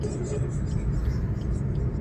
لار به څرنګه مهار سي د پېړیو د خونیانو.